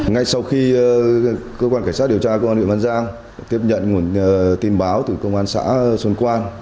ngay sau khi cơ quan cảnh sát điều tra công an huyện văn giang tiếp nhận nguồn tin báo từ công an xã xuân quan